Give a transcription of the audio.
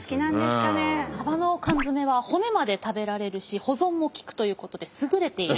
サバの缶詰は骨まで食べられるし保存もきくということで優れている。